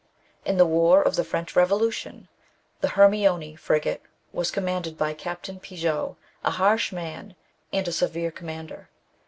151 In the war of the French Revolution, the Hermione frigate was commanded by Capt. Pigot, a harsh man and a severe commander.